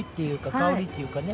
香りっていうかね。